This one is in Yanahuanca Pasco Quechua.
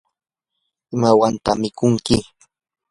¿imawantaq mikunki?